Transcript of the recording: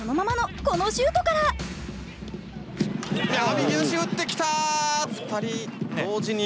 右足打ってきた！